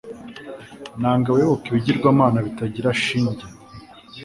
Nanga abayoboka ibigirwamana bitagira shinge